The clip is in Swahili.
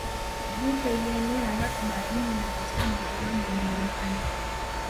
Vita ilienea haraka Baharini na katika makoloni ya Ujerumani